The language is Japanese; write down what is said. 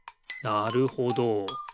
なるほど。